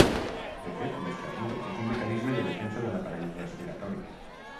De fet, l'esternut és un mecanisme de defensa de l'aparell respiratori.